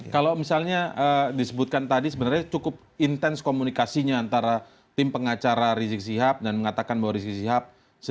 kalau misalnya disebutkan tadi sebenarnya cukup intens komunikasinya antara tim pengacara rizik sihab dan mengatakan bahwa rizik sihab